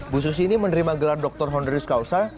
bu susi ini menerima gelar doktor honoris causa